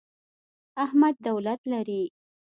احمد دولت لري.